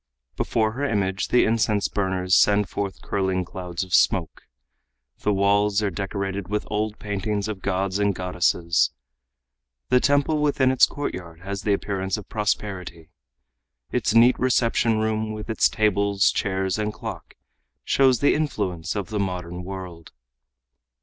Before her image the incense burners send forth curling clouds of smoke. The walls are decorated with old paintings of gods and goddesses. The temple with its courtyard has the appearance of prosperity. Its neat reception room, with its tables, chairs and clock, shows the influence of the modern world.